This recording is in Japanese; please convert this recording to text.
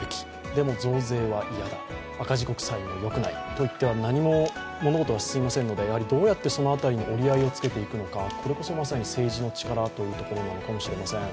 でも増税は嫌だ、赤字国債はよくないといっては何も物事は進みませんので、どうやってその辺りの折り合いをつけていくのか、これこそまさに政治の力というところなのかもしれません。